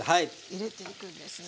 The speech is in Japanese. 入れていくんですね。